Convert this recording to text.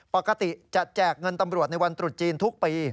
ปกติจะแจกเงินตำรวจในวันตรุษจีนทุกปี